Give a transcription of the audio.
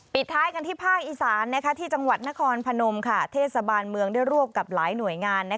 ท้ายกันที่ภาคอีสานที่จังหวัดนครพนมเทศบาลเมืองได้รวบกับหลายหน่วยงาน